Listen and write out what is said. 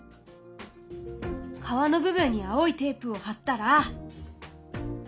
川の部分に青いテープを貼ったら。